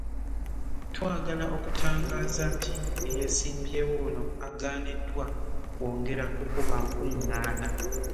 Twagala okutangaaza nti eyeesimbyewo ono agaaniddwa kwongera kukuba nkungaana